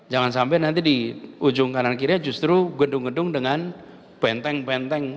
jangan sampai nanti di ujung kanan kirinya justru gedung gedung dengan benteng benteng